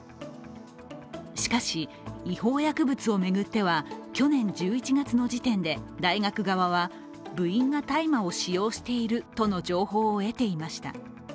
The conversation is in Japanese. しかし、違法薬物を巡っては去年１１月の時点で大学側は部員が大麻を使用しているとの情報を得ていました。